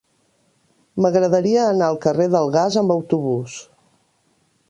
M'agradaria anar al carrer del Gas amb autobús.